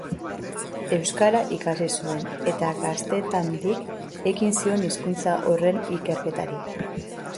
Euskara ikasi zuen, eta gaztetandik ekin zion hizkuntza horren ikerketari.